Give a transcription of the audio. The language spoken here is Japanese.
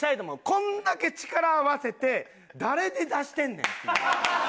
こんだけ力合わせて誰で出してんねんっていう。